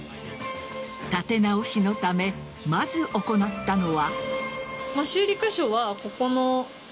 立て直しのため、まず行ったのは。